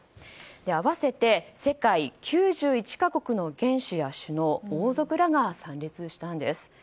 合わせて世界９１か国の元首や首脳王族らが参列したんです。